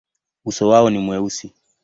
Uso wao ni mweusi.